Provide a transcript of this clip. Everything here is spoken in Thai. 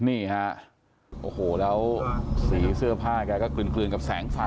นี่ฮะโอ้โหแล้วสีเสื้อผ้าแกก็กลืนกับแสงไฟ